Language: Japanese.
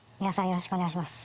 よろしくお願いします。